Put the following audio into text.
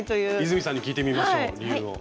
泉さんに聞いてみましょう理由を。